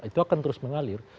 itu akan terus mengalir